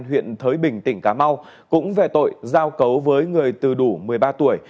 huyện thới bình tỉnh cà mau cũng về tội giao cấu với người từ đủ một mươi ba tuổi